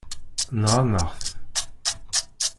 Nɣan-aɣ-t.